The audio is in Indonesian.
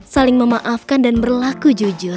saling memaafkan dan berlaku jujur